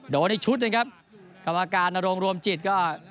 โดนอีกชุดเลยครับกับอาการนรงรวมจิตก็